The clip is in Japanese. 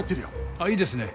あっいいですね